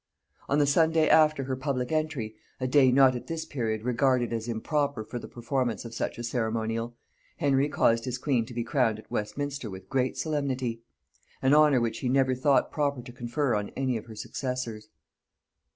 On the Sunday after her public entry, a day not at this period regarded as improper for the performance of such a ceremonial, Henry caused his queen to be crowned at Westminster with great solemnity; an honor which he never thought proper to confer on any of her successors.